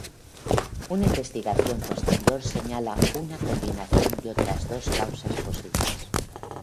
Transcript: Una investigación posterior señala una una combinación de otras dos causas posibles.